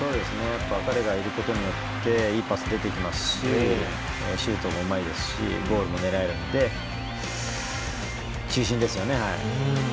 彼がいることによっていいパスが出てきますしシュートもうまいですしゴールも狙えるので中心ですよね。